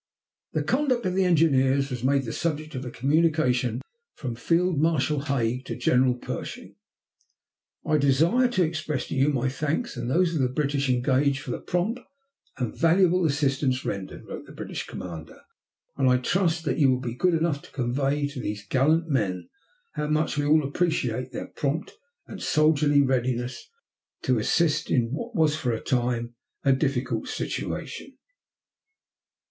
The conduct of the engineers was made the subject of a communication from Field Marshal Haig to General Pershing. "I desire to express to you my thanks and those of the British engaged for the prompt and valuable assistance rendered," wrote the British commander, "and I trust that you will be good enough to convey to these gallant men how much we all appreciate their prompt and soldierly readiness to assist in what was for a time a difficult situation."